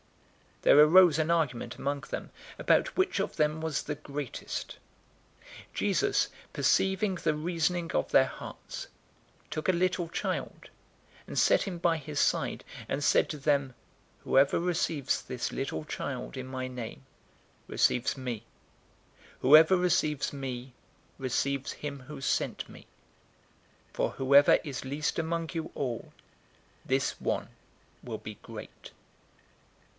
009:046 There arose an argument among them about which of them was the greatest. 009:047 Jesus, perceiving the reasoning of their hearts, took a little child, and set him by his side, 009:048 and said to them, "Whoever receives this little child in my name receives me. Whoever receives me receives him who sent me. For whoever is least among you all, this one will be great."